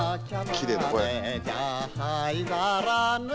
きれいな声。